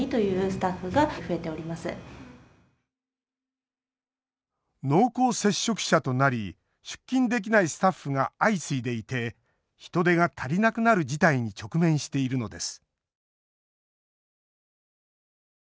しかし濃厚接触者となり出勤できないスタッフが相次いでいて人手が足りなくなる事態に直面しているのです